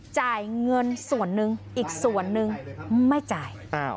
จ่ายเงินส่วนหนึ่งอีกส่วนนึงไม่จ่าย